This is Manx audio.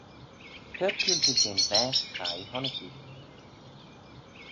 Cur coontey jeh'n vaagh chaie honnick oo.